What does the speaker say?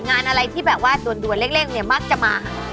งานอะไรที่แบบว่าด่วนเล็กเนี่ยมักจะมา